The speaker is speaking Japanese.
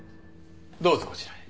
どうぞこちらへ。